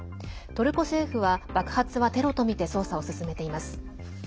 トルコ政府は爆発はテロとみて捜査を進めています。